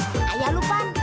lo kata dulu apa